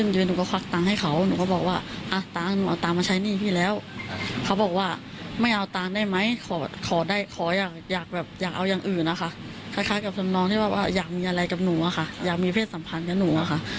อยากเอายังอื่นอะค่ะคล้ายกับสำนองที่ว่าอยากมีอะไรกับหนูอะค่ะอยากมีเพศสัมพันธ์กับหนูอะค่ะ